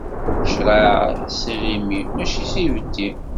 Ccṛeɛ s iɣimi, mačči s ibeddi.